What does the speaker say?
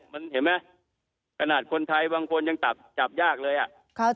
มันเห็นไหมขนาดคนไทยบางคนยังจับจับยากเลยอ่ะ